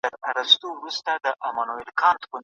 ټولنیز واقعیتونه په سمه توګه درک کیږي.